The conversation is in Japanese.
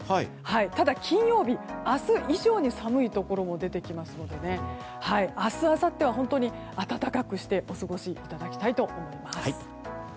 ただ、金曜日明日以上に寒いところも出てきますので明日あさっては暖かくしてお過ごしいただきたいです。